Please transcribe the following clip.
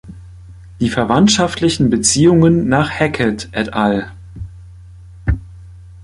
Die verwandtschaftlichen Beziehungen nach Hackett et al.